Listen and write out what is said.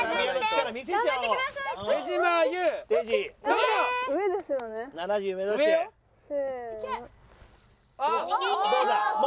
どうだ？